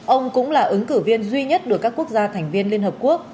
ông cũng là ứng cử viên duy nhất được các quốc gia thành viên liên hợp quốc